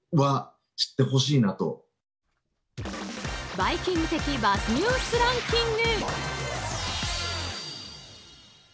「バイキング」的Ｂｕｚｚニュースランキング。